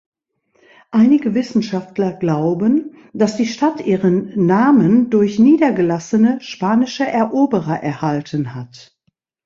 Einige Wissenschaftler glauben, dass die Stadt ihren Namen durch niedergelassene spanische Eroberer erhalten hat.